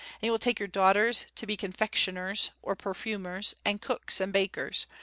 And he will take your daughters to be confectioners [or perfumers] and cooks and bakers.